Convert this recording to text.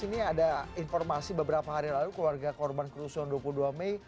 ini ada informasi beberapa hari lalu keluarga korban kerusuhan dua puluh dua mei